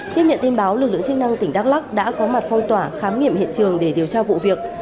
tiếp nhận tin báo lực lượng chức năng tỉnh đắk lắc đã có mặt phong tỏa khám nghiệm hiện trường để điều tra vụ việc